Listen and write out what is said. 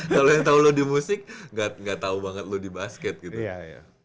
kalau yang tahu lo di musik gak tau banget lo di basket gitu